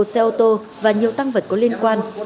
một xe ô tô và nhiều tăng vật có liên quan